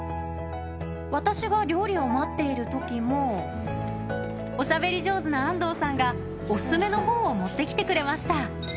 私が料理を待っているときも、おしゃべり上手な安藤さんがお薦めの本を持ってきてくれました。